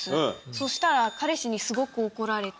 そしたら彼氏にすごく怒られて。